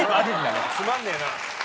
つまんねえなぁ。